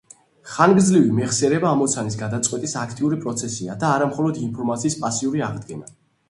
ხანგრძლივი მეხსიერება ამოცანის გადაწყვეტის აქტიური პროცესია და არა მხოლოდ ინფორმაციის პასიური აღდგენა.